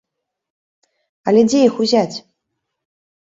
Але дзе іх узяць?